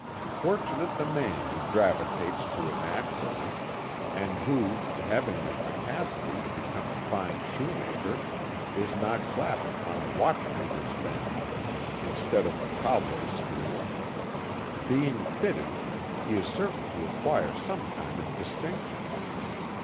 Fortunate the man who gravitates to it naturally, and who, having the capacity to become a fine shoemaker, is not clapped upon a watchmaker's bench instead of a cobbler's stool. Being fitted, he is certain to acquire some kind of distinction.